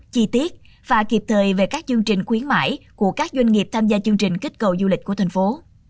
chi tiết và kịp thời về các chương trình khuyến mại của các doanh nghiệp tham gia chương trình kích cầu du lịch của thành phố